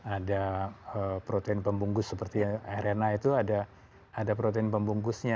ada protein pembungkus seperti arena itu ada protein pembungkusnya